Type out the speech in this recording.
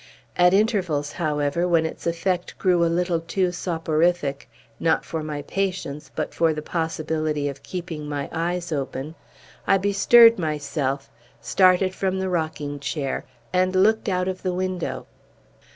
At intervals, however, when its effect grew a little too soporific, not for my patience, but for the possibility of keeping my eyes open, I bestirred myself, started from the rocking chair, and looked out of the window.